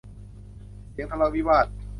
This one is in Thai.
เสียงทะเลาะวิวาท